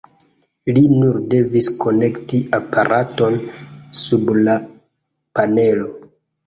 Li nur devis konekti aparaton sub la panelo.